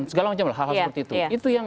segala macam lah hal hal seperti itu itu yang